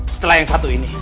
setelah yang satu ini